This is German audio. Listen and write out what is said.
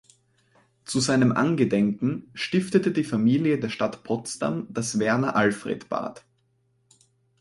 Zu seinem Angedenken stiftete die Familie der Stadt Potsdam das Werner-Alfred-Bad.